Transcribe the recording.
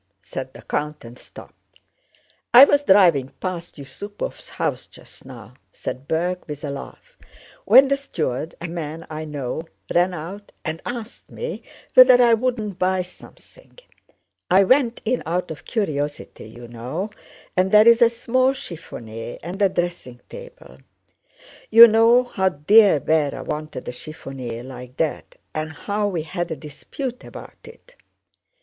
said the count, and stopped. "I was driving past Yusúpov's house just now," said Berg with a laugh, "when the steward, a man I know, ran out and asked me whether I wouldn't buy something. I went in out of curiosity, you know, and there is a small chiffonier and a dressing table. You know how dear Véra wanted a chiffonier like that and how we had a dispute about it."